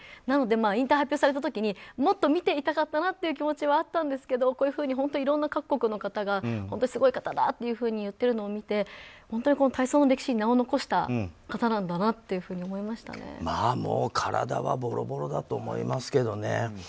なので引退を発表された時にもっと見ていたかったなという気持ちはあったんですけどこういうふうに各国の方がすごい方だ！というふうに言っているのを見て本当に体操の歴史に名を残した方なんだなって体はボロボロだと思いますけどね。